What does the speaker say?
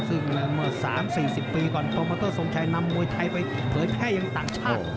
ซึ่ง๓๔๐ปีก่อนโตมาเตอร์สงชัยนำมวยไทยไปเผยแพร่อย่างต่างชาติ